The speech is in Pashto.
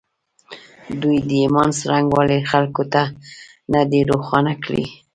دوی د ایمان څرنګوالی خلکو ته نه دی روښانه کړی